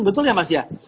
betul ya mas